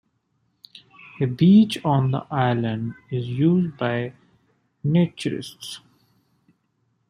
A beach on the island is used by naturists.